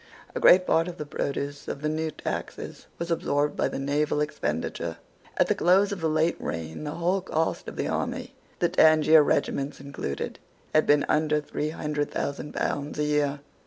A great part of the produce of the new taxes was absorbed by the naval expenditure. At the close of the late reign the whole cost of the army, the Tangier regiments included, had been under three hundred thousand pounds a year.